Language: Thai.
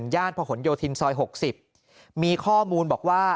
ย่านพหนโยธินซอย๖๐มีข้อมูลบอกว่า